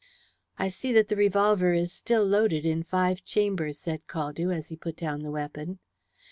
"I see that the revolver is still loaded in five chambers," said Caldew, as he put down the weapon.